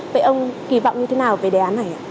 vậy ông kỳ vọng như thế nào về đề án này ạ